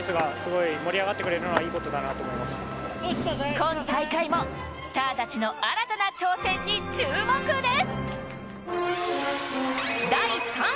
今大会もスターたちの新たな挑戦に注目です。